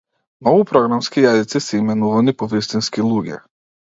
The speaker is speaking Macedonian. Многу програмски јазици се именувани по вистински луѓе.